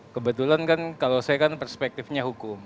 kebetulan kan kalau saya kan perspektifnya hukum